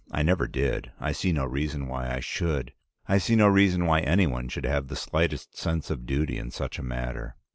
I never did. I see no reason why I should. I see no reason why any one should have the slightest sense of duty in such a matter.